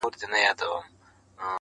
ستا په لاس کي د گلونو فلسفې ته,